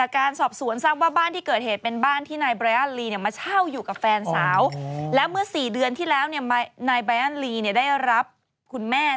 กับแฟนสาวแล้วเมื่อ๔เดือนที่แล้วนายบายันลีได้รับคุณแม่